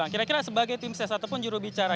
kira kira sebagai tim sesatupun jurubicara